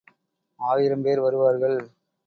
ஆயிரம் பேர் வருவார்கள்.